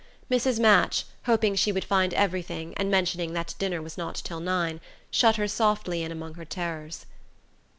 Mrs. Match, hoping she would find everything, and mentioning that dinner was not till nine, shut her softly in among her terrors.